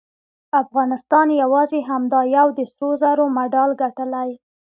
افغانستان یواځې همدا یو د سرو زرو مډال ګټلی